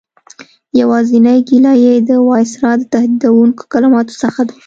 یوازینۍ ګیله یې د وایسرا د تهدیدوونکو کلماتو څخه ده.